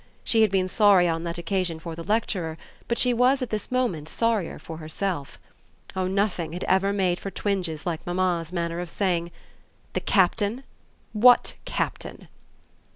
She had been sorry on that occasion for the lecturer, but she was at this moment sorrier for herself. Oh nothing had ever made for twinges like mamma's manner of saying: "The Captain? What Captain?"